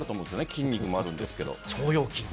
筋肉もあるんですけど。